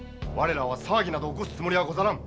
騒ぎなど起こすつもりはござらぬ！